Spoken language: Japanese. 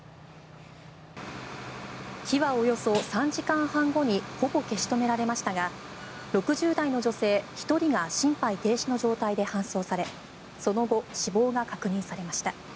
火はおよそ３時間半後にほぼ消し止められましたが６０代の女性１人が心肺停止の状態で搬送されその後、死亡が確認されました。